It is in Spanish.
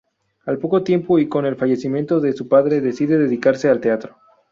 Al poco tiempo y con el fallecimiento de su padre decide dedicarse al teatro.